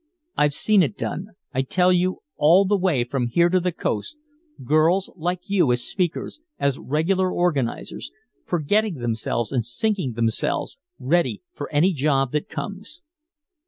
I've seen it done, I tell you, all the way from here to the Coast girls like you as speakers, as regular organizers forgetting themselves and sinking themselves ready for any job that comes."